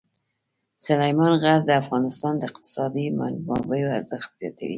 سلیمان غر د افغانستان د اقتصادي منابعو ارزښت زیاتوي.